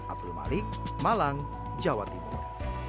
abdul malik malang jawa timur